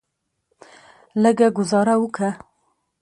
لږه ګوزاره وکه.